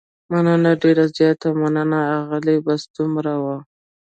مننه، ډېره زیاته مننه، اغلې، بس همدومره و.